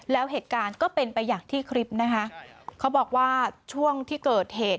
แล้วเหตุการณ์ก็เป็นไปอย่างที่คลิปนะคะเขาบอกว่าช่วงที่เกิดเหตุ